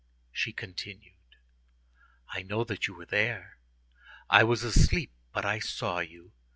She continued:— "I knew that you were there. I was asleep, but I saw you.